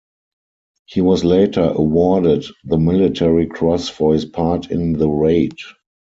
He was later awarded the Military Cross for his part in the raid.